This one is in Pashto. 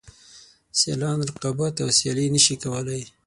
سیالان رقابت او سیالي نشي کولای.